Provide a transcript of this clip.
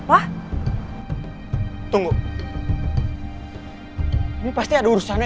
kamu mutusin aku demi dia